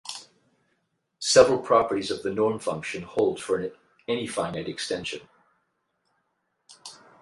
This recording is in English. Several properties of the norm function hold for any finite extension.